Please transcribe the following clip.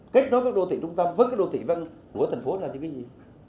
kết nối với đô thị trung tâm với đô thị văn của thành phố này là cái gì